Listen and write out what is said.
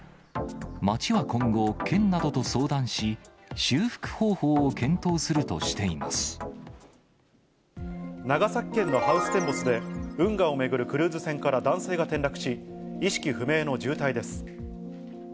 町は今後、県などと相談し、長崎県のハウステンボスで、運河を巡るクルーズ船から男性が転落し、意識不明の重体です。